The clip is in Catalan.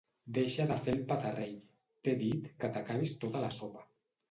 Deixa de fer el petarrell: t'he dit que t'acabis tota la sopa.